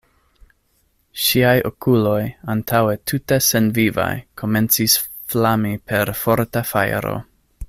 Ŝiaj okuloj, antaŭe tute senvivaj, komencis flami per forta fajro.